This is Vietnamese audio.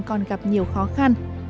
còn gặp nhiều khó khăn